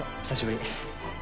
久しぶり。